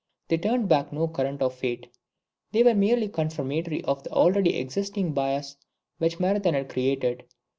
They turned back no current of fate. They were merely confirmatory of the already existing bias which Marathon had created.